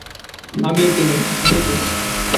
আমিই তিনি, আমিই তিনি।